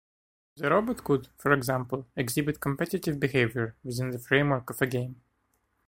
The robot could, for example, exhibit competitive behavior within the framework of a game.